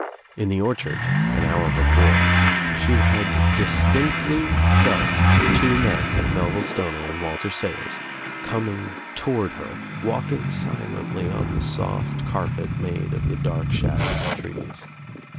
In the orchard, an hour before she had distinctly felt the two men, Melville Stoner and Walter Sayers coming toward her, walking silently on the soft car pet made of the dark shadows of trees.